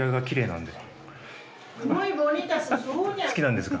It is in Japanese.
好きなんですか？